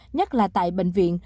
nhất là tại bệnh viện